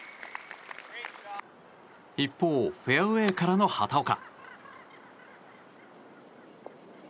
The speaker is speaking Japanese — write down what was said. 一方、フェアウェーからの畑岡。